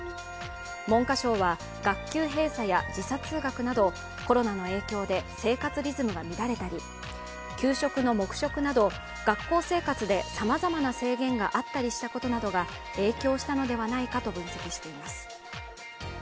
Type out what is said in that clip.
文科省は学級閉鎖や時差通学などコロナの影響で生活リズムが乱れたり給食の黙食など学校生活でさまざまな制限があったりしたことなどが影響したのではないかと分析しています。